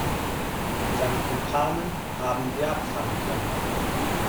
Seine Kumpanen haben wir abfangen können.